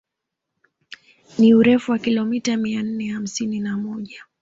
Ni urefu wa kilomita mia nne hamsini na moja